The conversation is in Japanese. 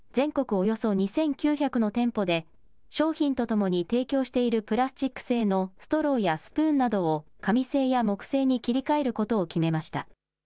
およそ２９００の店舗で、商品とともに提供しているプラスチック製のストローやスプーンなどを、紙製や木製に切り替えることを決めました。